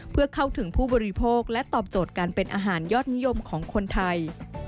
เพื่อเข้าถึงผู้บริโภคและตอบโจทย์การเป็นอาหารยอดนิยมของคนไทย